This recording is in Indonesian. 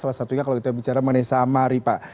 salah satunya kalau kita bicara mengenai samari pak